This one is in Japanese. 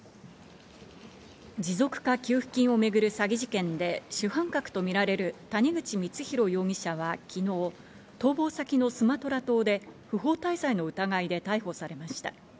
持続化給付金をめぐる詐欺事件で、主犯格とみられる谷口光弘容疑者は昨日、逃亡先のスマトラ島で不法滞在の疑いで逮捕されました。